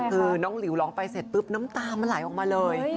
คือน้องหลิวร้องไปเสร็จปุ๊บน้ำตามันไหลออกมาเลย